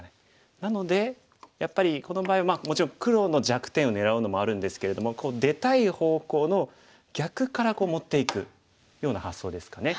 なのでやっぱりこの場合はもちろん黒の弱点を狙うのもあるんですけれども出たい方向の逆から持っていくような発想ですかね。